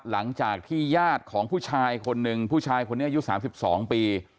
หลังจากที่ญาติของผู้ชายคนนึงผู้ชายคนนี้อายุสามสิบสองปี